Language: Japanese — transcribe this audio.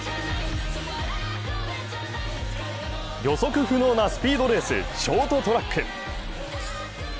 予測不能なスピードレース、ショートトラック。